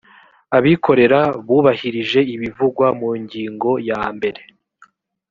abikorera bubahirije ibivugwa mu ngingo ya mbere